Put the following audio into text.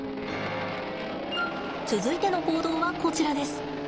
続いての行動はこちらです。